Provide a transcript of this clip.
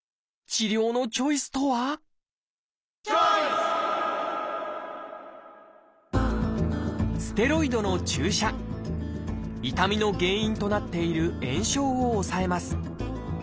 治療のチョイスとは痛みの原因となっている炎症を抑えます。